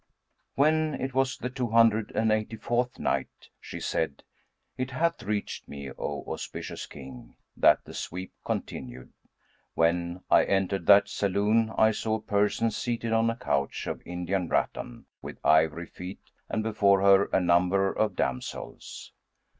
When it was the Two Hundred and Eighty fourth Night, She said, It hath reached me, O auspicious King, that the sweep continued, "When I entered that saloon I saw a person seated on a couch of Indian rattan, with ivory feet and before her a number of damsels.